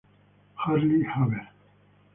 Harley Haver.